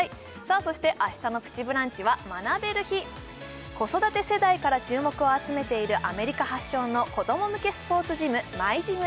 そして明日の「プチブランチ」は学べる日子育て世代から注目を集めているアメリカ発祥の子ども向けスポーツジムＭｙＧｙｍ